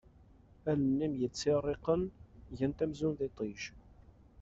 Allen-im yettirriqen gant amzun d iṭij.